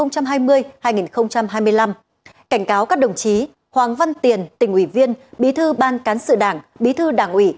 cảnh cáo các đồng chí hoàng văn tiền tỉnh ủy viên bí thư ban cán sự đảng bí thư đảng ủy